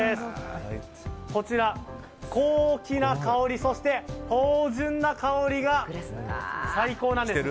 こちら、高貴な香りそして、芳醇な香りが最高なんです。